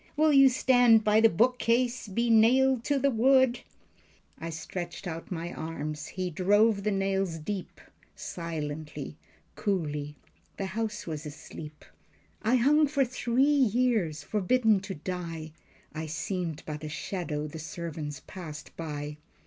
Will you stand by the book case, be nailed to the wood?" I stretched out my arms. He drove the nails deep, Silently, coolly. The house was asleep, I hung for three years, forbidden to die. I seemed but a shadow the servants passed by.